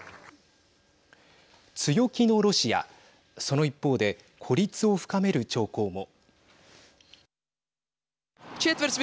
強気のロシアその一方で孤立を深める兆候も。